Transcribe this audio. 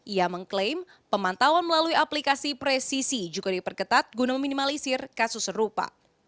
ia mengklaim pemantauan melalui aplikasi presisi juga diperketat guna meminimalisir kasus serupa